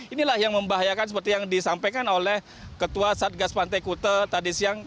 inilah yang membahayakan seperti yang disampaikan oleh ketua satgas pantai kute tadi siang